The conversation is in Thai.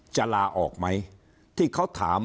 จะลาออกไหม